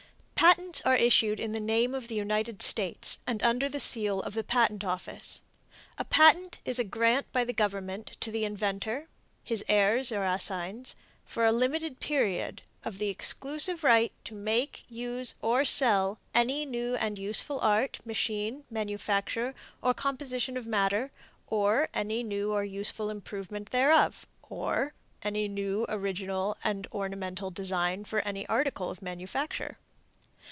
Patents are issued in the name of the United States, and under the seal of the Patent Office. A patent is a grant by the Government to the inventor, his heirs or assigns, for a limited period, of the exclusive right to make, use or sell any new and useful art, machine, manufacture or composition of matter, or any new and useful improvement thereof, or any new, original and ornamental design for any article of manufacture.